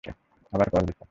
আবার কল দিচ্ছে।